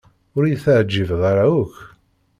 Ur iyi-teɛǧibeḍ ara akk.